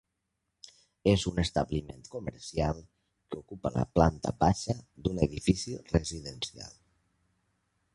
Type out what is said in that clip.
És un establiment comercial que ocupa la planta baixa d'un edifici residencial.